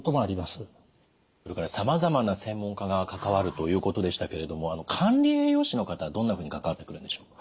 それからさまざまな専門家が関わるということでしたけれども管理栄養士の方はどんなふうに関わってくるんでしょう？